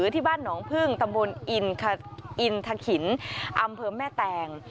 ที่บ้านหนองพึ่งตำบลอินทะขินอำเภอแม่แตง